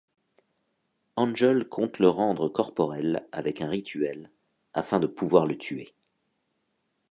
Angel compte le rendre corporel avec un rituel afin de pouvoir le tuer.